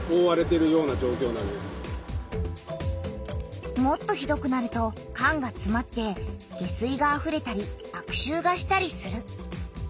これはもっとひどくなると管がつまって下水があふれたりあくしゅうがしたりする。